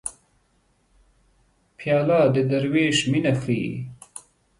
پیاله د دروېش مینه ښيي.